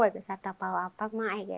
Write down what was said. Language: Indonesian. serta tahu apa mak ya